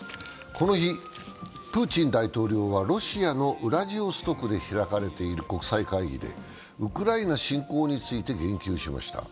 この日、プーチン大統領はロシアのウラジオストクで開かれている国際会議でウクライナ侵攻について言及しました。